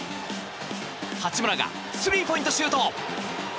八村がスリーポイントシュート！